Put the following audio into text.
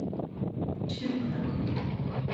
- ჩემო კარგო,